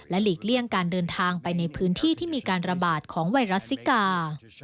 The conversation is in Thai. หลีกเลี่ยงการเดินทางไปในพื้นที่ที่มีการระบาดของไวรัสซิกา